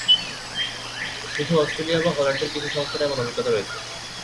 শুধু অস্ট্রেলিয়া বা হল্যান্ডের কিছু সংস্থার এমন অভিজ্ঞতা রয়েছে।